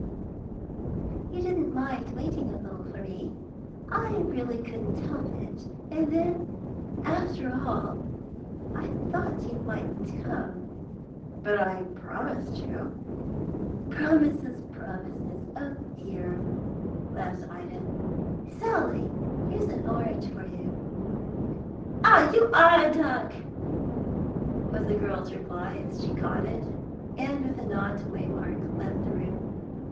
"You didn't mind waiting a little for me? I really couldn't help it. And then, after all, I thought you mightn't come." "But I promised to." "Promises, promises, oh dear!" laughed Ida. "Sally, here's an orange for you." "You are a duck!" was the girl's reply, as she caught it, and, with a nod to Waymark, left the room.